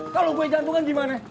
kalau gue jantungan gimana